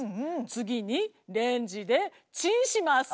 次にレンジでチンします。